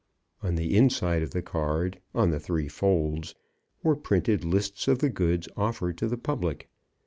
On the inside of the card, on the three folds, were printed lists of the goods offered to the public.